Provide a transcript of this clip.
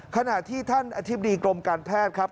ขณะที่ท่านอธิบดีกรมการแพทย์ครับ